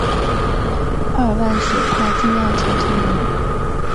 二万学派重要传承人。